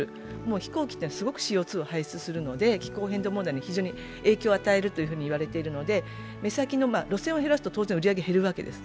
飛行機はすごくＣＯ２を輩出するので気候変動問題に影響を与えると言われているので目先の路線を減らすと当然売り上げは減るわけです。